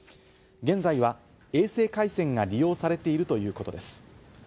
現在は衛星回線が利用されているということです。